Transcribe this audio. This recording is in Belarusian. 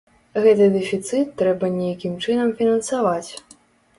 Гэты дэфіцыт трэба нейкім чынам фінансаваць.